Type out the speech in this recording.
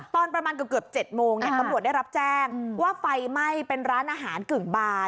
ตอนประมาณเกือบ๗โมงตำรวจได้รับแจ้งว่าไฟไหม้เป็นร้านอาหารกึ่งบาน